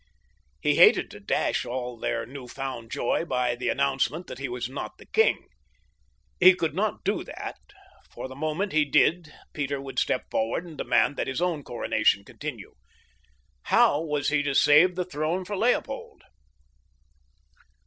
He hated to dash all their new found joy by the announcement that he was not the king. He could not do that, for the moment he did Peter would step forward and demand that his own coronation continue. How was he to save the throne for Leopold?